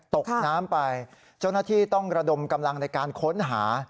ตกน้ำไปเจ้าหน้าที่ต้องระดมกำลังในการค้นหา